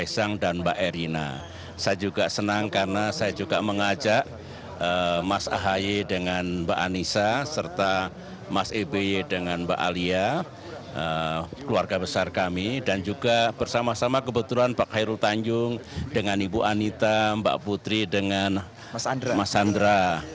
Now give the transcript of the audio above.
saya juga senang karena saya juga mengajak mas ahy dengan mbak anisa serta mas sby dengan mbak alia keluarga besar kami dan juga bersama sama kebetulan pak hairul tanjung dengan ibu anita mbak putri dengan mas andra